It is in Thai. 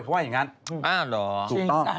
เพราะว่าอย่างงั้น